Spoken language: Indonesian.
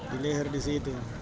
di leher di situ